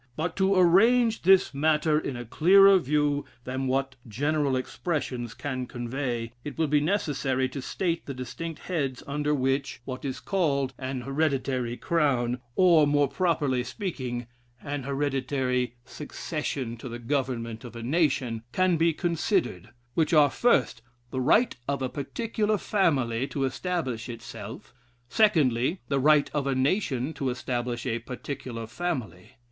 But, to arrange this matter in a clearer view than what general expressions can convey, it will be necessary to state the distinct heads under which (what is called) an hereditary crown, or, more properly speaking, an hereditary succession to the government of a nation, can be considered; which are, first, the right of a particular family to establish itself; secondly, the right of a nation to establish a particular family.